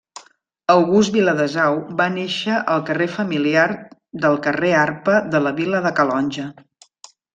August Viladesau va néixer al carrer familiar del carrer Arpa de la vila de Calonge.